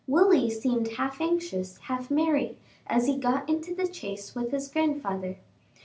Willie seemed half anxious, half merry, as he got into the chaise with his grandfather.